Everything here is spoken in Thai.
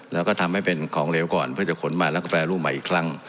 แล้วก็ทำให้เป็นของเหลวก่อนเพื่อจะขนมาแล้วก็แปรรูปใหม่อีกครั้ง